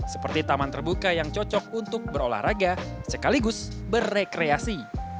seperti taman terbuka yang cocok untuk berolahraga sekaligus berrekreasi